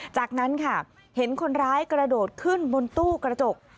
จากนั้นค่ะเห็นคนร้ายกระโดดขึ้นบนตู้กระจก